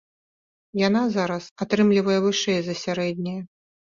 Яна зараз атрымлівае вышэй за сярэдняе.